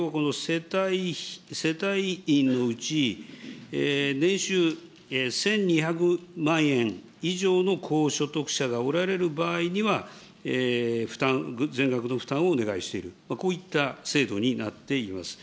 世帯のうち、年収１２００万円以上の高所得者がおられる場合には、負担、全額の負担をお願いしている、こういった制度になっています。